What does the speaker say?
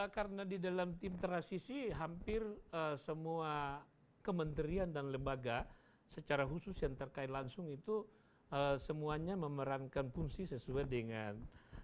karena di dalam tim transisi hampir semua kementerian dan lembaga secara khusus yang terkait langsung itu semuanya memerankan fungsi sesuai dengan